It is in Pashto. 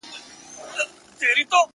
وګړي ډېر سول د نیکه دعا قبوله سوله؛